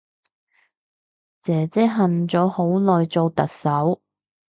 姐姐恨咗好耐做特首